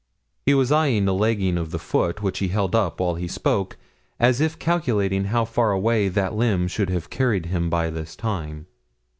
He was eyeing the legging of the foot which he held up while he spoke, as if calculating how far away that limb should have carried him by this time.